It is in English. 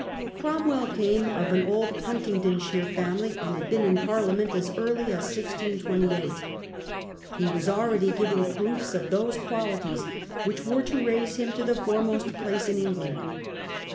Cromwell came of an old Huntingdonshire family, and had been in Parliament as early as 1628. He was already giving proofs of those qualities which were to raise him to the foremost place in England.